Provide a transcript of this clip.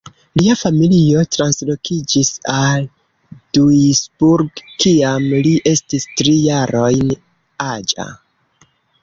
Lia familio translokiĝis al Duisburg kiam li estis tri jarojn aĝa.